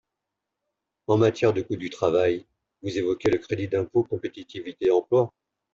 En matière de coût du travail, vous évoquez le crédit d’impôt compétitivité emploi.